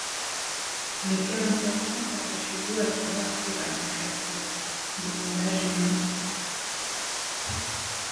Mais quelle importance attachez-vous à savoir cela, mon cher Cyrus? demanda Gédéon Spilett.